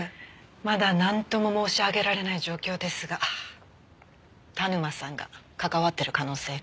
まだなんとも申し上げられない状況ですが田沼さんが関わってる可能性が。